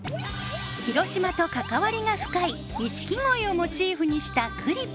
広島と関わりが深い錦鯉をモチーフにしたクリップ。